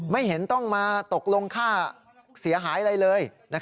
ไม่เห็นต้องมาตกลงค่าเสียหายอะไรเลย